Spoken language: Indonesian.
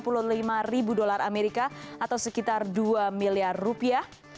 bonusnya dua puluh lima ribu dolar amerika atau sekitar dua miliar rupiah